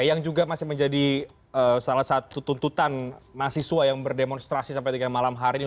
yang juga masih menjadi salah satu tuntutan mahasiswa yang berdemonstrasi sampai dengan malam hari ini